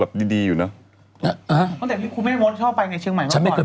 แบบที่ข่าวเมื่อกี้กับที่ฟัน